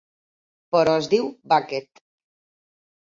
Però es diu Bucket.